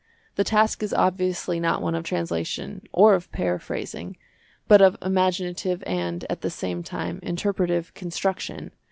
The task is obviously not one of translation or of paraphrasing, but of imaginative and, at the same time, interpretive construction.